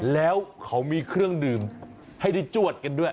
แล้วเขามีเครื่องดื่มให้ได้จวดกันด้วย